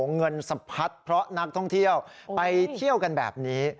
เงินสะพัดเพราะนักท่องเที่ยวไปเที่ยวกันแบบนี้